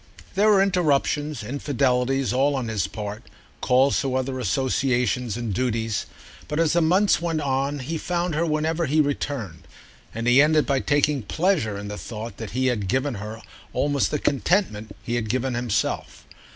There were interruptions, infidelities, all on his part, calls to other associations and duties; but as the months went on he found her whenever he returned, and he ended by taking pleasure in the thought that he had given her almost the contentment he had given himself.